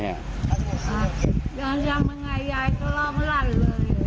ยายก็ร่องรันเลย